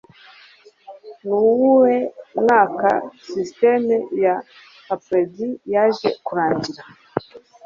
Nuwuhe mwaka Sisitemu ya Apartheid yaje kurangira